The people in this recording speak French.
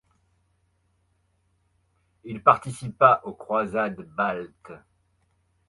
Il participa aux Croisades baltes.